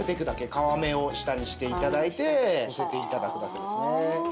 皮目を下にして頂いてのせて頂くだけですね。